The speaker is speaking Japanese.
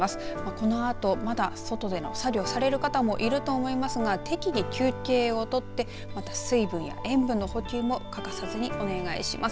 このあとまだ外での作業される方もいると思いますが適宜休憩を取ってまた、水分や塩分の補給も欠かさずにお願いします。